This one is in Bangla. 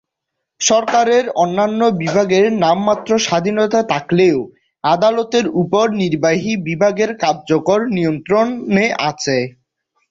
সরকারের অন্যান্য বিভাগের নামমাত্র স্বাধীনতা থাকলেও আদালতের উপর নির্বাহী বিভাগের কার্যকর নিয়ন্ত্রণে আছে।